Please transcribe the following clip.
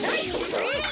それ！